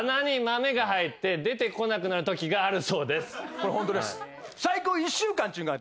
これホントです。